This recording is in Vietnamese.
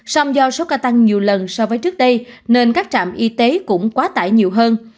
song do số ca tăng nhiều lần so với trước đây nên các trạm y tế cũng quá tải nhiều hơn